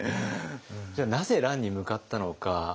じゃあなぜ乱に向かったのか。